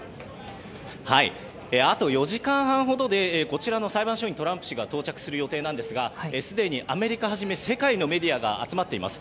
あと４時間半ほどでこちらの裁判所にトランプ氏が到着する予定なんですがすでに、アメリカはじめ世界のメディアが集まっています。